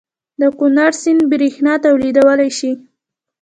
د کنړ سیند بریښنا تولیدولی شي؟